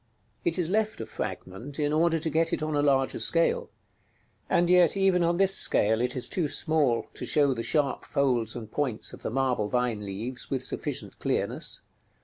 § XLIX. It is left a fragment, in order to get it on a larger scale; and yet even on this scale it is too small to show the sharp folds and points of the marble vine leaves with sufficient clearness.